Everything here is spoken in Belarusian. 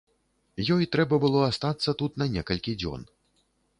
Ёй трэба было астацца тут на некалькі дзён.